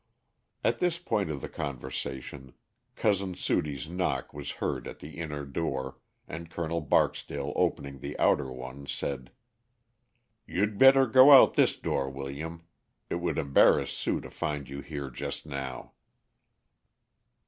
At this point of the conversation Cousin Sudie's knock was heard at the inner door, and Col. Barksdale opening the outer one said: "You'd better go out this door, William. It would embarrass Sue to find you here just now."